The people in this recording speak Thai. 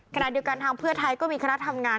ขณะเดียวกันทางเพื่อไทยก็มีคณะทำงาน